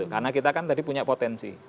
karena kita kan tadi punya potensi